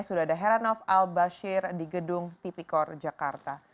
sudada heranov al bashir di gedung tipikor jakarta